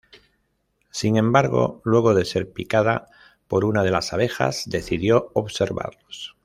Sin embargo, luego de ser picada por una de las abejas, decidió observarlos.